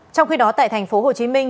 trong khi đó tại thành phố hồ chí minh